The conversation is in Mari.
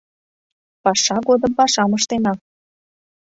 Паша годым пашам ыштена